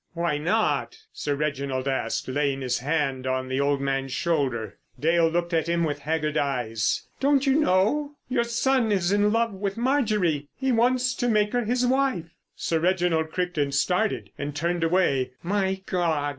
"Why not?" Sir Reginald asked, laying his hand on the old man's shoulder. Dale looked at him with haggard eyes. "Don't you know? Your son is in love with Marjorie. He wants to make her his wife!" Sir Reginald Crichton started and turned away: "My God!"